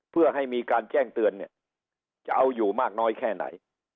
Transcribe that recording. เพื่อให้มีการแจ้งเตือนเนี่ยจะเอาอยู่มากน้อยแค่ไหน